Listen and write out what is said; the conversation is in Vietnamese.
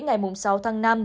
ngày sáu tháng năm